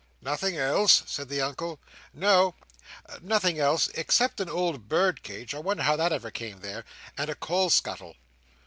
"Nothing else?" said the Uncle. "No, nothing else, except an old birdcage (I wonder how that ever came there!) and a coal scuttle."